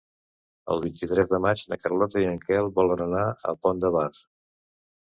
El vint-i-tres de maig na Carlota i en Quel volen anar al Pont de Bar.